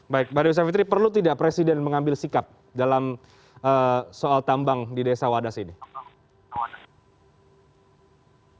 baik mbak dewi savitri perlu tidak presiden mengambil sikap dalam soal tambang di desa wadas ini